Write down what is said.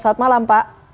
selamat malam pak